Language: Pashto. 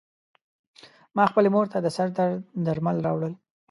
ما خپلې مور ته د سر درد درمل راوړل .